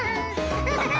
ハハハハ！